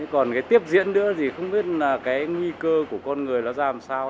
còn cái tiếp diễn nữa thì không biết là cái nguy cơ của con người là ra làm sao